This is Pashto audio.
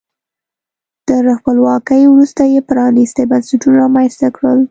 تر خپلواکۍ وروسته یې پرانیستي بنسټونه رامنځته کړل.